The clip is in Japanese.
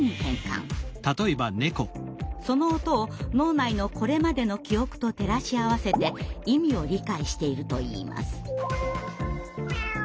その音を脳内のこれまでの記憶と照らし合わせて意味を理解しているといいます。